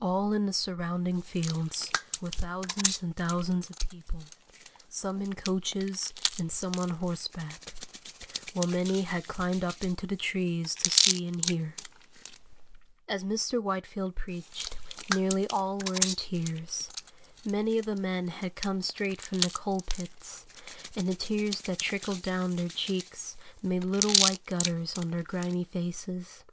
All in the surrounding fields were thousands and thousands of people, some in coaches and some on horseback, while many had climbed up into the trees to see and hear." As Mr. Whitefield preached, nearly all were in tears. Many of the men had come straight from the coal pits, and the tears that trickled down their cheeks made little white gutters on their grimy faces.